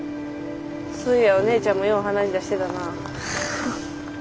そういやお姉ちゃんもよう鼻血出してたな。